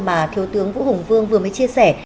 mà thiếu tướng vũ hùng vương vừa mới chia sẻ